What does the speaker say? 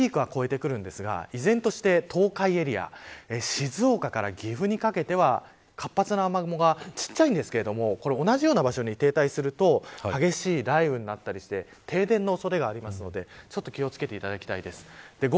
なのでピークは越えてくるんですが依然として、東海エリア静岡から岐阜にかけては活発な雨雲がちっちゃいんですけれども同じような場所に停滞すると激しい雷雨になったりして停電の恐れがあるので気を付けいただきたいです。